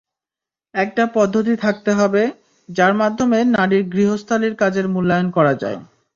একটা পদ্ধতি থাকতে হবে, যার মাধ্যমে নারীর গৃহস্থালির কাজের মূল্যায়ন করা যায়।